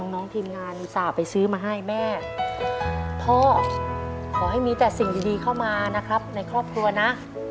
น้องทีมงานอุตส่าห์ไปซื้อมาให้แม่พ่อขอให้มีแต่สิ่งดีเข้ามานะครับในครอบครัวนะ